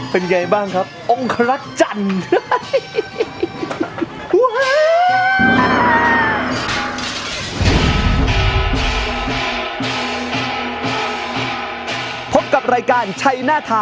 เป็นไงบ้างครับองคลักษ์จันทร์